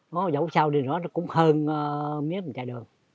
có dẫu sao đi nữa nó cũng hơn mía mình chạy đường